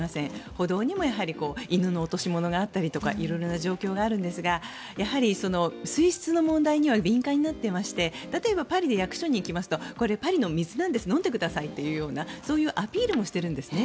歩道にも犬の落とし物があったりとか色々な状況があるんですがやはり、水質の問題には敏感になっていまして例えばパリで役所に行きますとこれパリの水なんです飲んでくださいというようなそういうアピールもしているんですね。